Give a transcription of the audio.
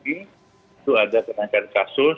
itu ada peningkatan kasus